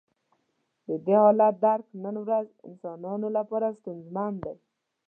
د دې حالت درک نن ورځ انسانانو لپاره ستونزمن دی.